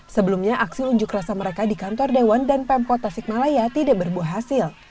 sebelumnya aksi unjuk rasa mereka di kantor dewan dan pemkot tasikmalaya tidak berbuah hasil